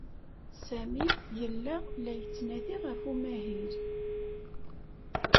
Sami yella la yettnadi ɣef umahil.